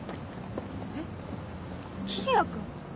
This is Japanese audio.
えっ桐矢君？